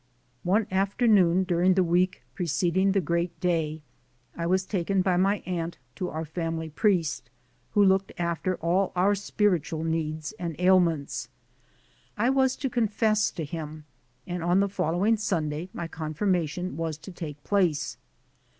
One afternoon during the week preceding the great day, I was taken by my aunt to our fam ily priest, who looked after all our spiritual needs and ailments. I was to confess to him, and on the following Sunday my confirmation was to take place.